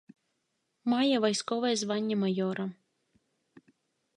Мае вайсковае званне маёра.